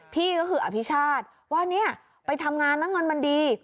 พี่ก็คืออภิชาติว่าไปทำงานนั่งมันดี